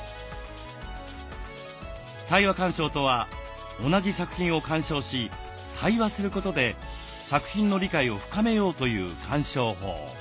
対話鑑賞とは同じ作品を鑑賞し対話することで作品の理解を深めようという鑑賞法。